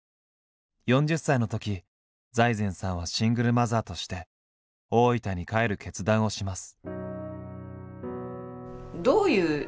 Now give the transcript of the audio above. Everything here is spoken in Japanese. ４０歳のとき財前さんはシングルマザーとして大分に帰る決断をします。